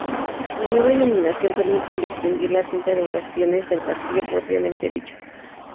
La nueva iluminación permite distinguir la cinta de bastiones del Castillo propiamente dicho.